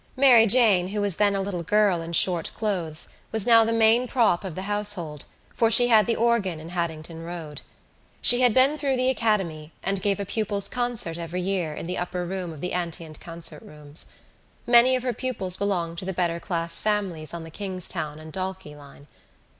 Mary Jane, who was then a little girl in short clothes, was now the main prop of the household, for she had the organ in Haddington Road. She had been through the Academy and gave a pupils' concert every year in the upper room of the Antient Concert Rooms. Many of her pupils belonged to the better class families on the Kingstown and Dalkey line.